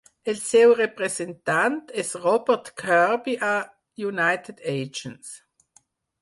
El seu representant és Robert Kirby a United Agents.